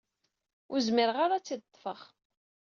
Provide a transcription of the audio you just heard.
Ur zmireɣ ara ad tt-id-ṭṭfeɣ.